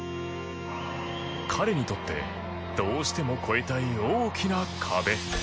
彼にとってどうしても越えたい大きな壁